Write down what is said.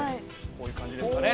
こういう感じですかね。